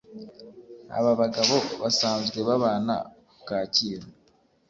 Aba bagabo basanzwe babana ku Kacyiru